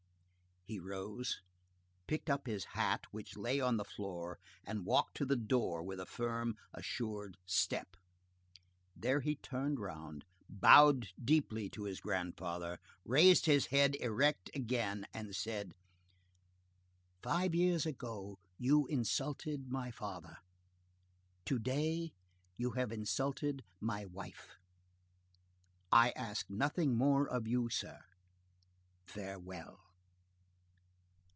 He rose, picked up his hat which lay on the floor, and walked to the door with a firm, assured step. There he turned round, bowed deeply to his grandfather, raised his head erect again, and said:— "Five years ago you insulted my father; to day you have insulted my wife. I ask nothing more of you, sir. Farewell."